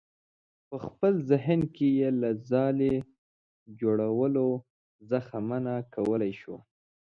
په خپل ذهن کې یې له ځالې جوړولو څخه منع کولی شو.